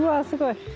すごい。